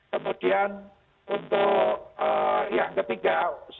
kemudian untuk yang ketiga